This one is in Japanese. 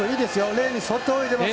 レーンに沿って泳いでます。